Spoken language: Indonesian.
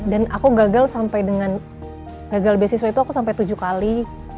dan aku gagal sampai dengan gagal beasiswa itu aku sampai tujuh kali